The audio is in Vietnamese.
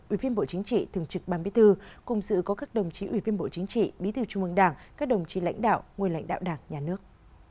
ủy viên bộ chính trị thường trực ban bí thư cùng dự có các đồng chí ủy viên bộ chính trị bí thư trung mương đảng các đồng chí lãnh đạo nguyên lãnh đạo đảng nhà nước